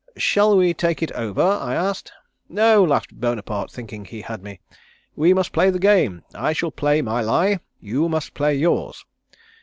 'Shall we take it over?' I asked. 'No,' laughed Bonaparte, thinking he had me. 'We must play the game. I shall play my lie. You must play yours.'